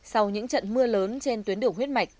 sau những trận mưa lớn trên tuyến đường huyết mạch